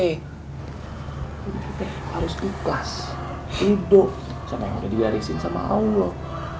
jadi kita harus ikhlas hidup sama yang udah digarisin sama allah